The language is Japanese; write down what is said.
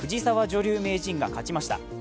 女流名人が勝ちました。